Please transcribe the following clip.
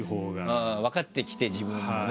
分かってきて自分もね。